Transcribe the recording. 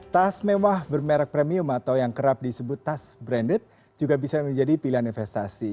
tas mewah bermerek premium atau yang kerap disebut tas branded juga bisa menjadi pilihan investasi